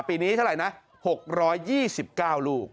ปีนี้เท่าไหร่นะ๖๒๙ลูก